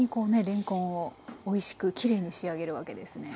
れんこんをおいしくきれいに仕上げるわけですね。